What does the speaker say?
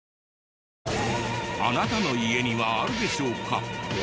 あなたの家にはあるでしょうか？